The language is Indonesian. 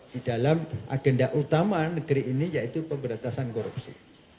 di dalam agenda utama negeri ini yaitu pemberantasan korupsi